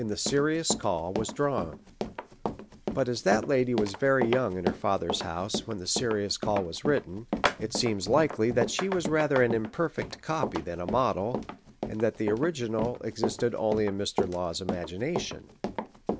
LAW. IX the Serious CdW, was drawn ; but, as that lady was very young in her father's house when the Serious Call was written, it seems likely that she was rather an imperfect copy than a model, and that the original existed only in Mr. Law's imagination.